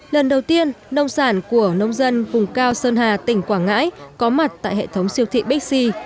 lần đầu tiên nông sản của nông dân vùng cao sơn hà tỉnh quảng ngãi có mặt tại hệ thống siêu thị bixi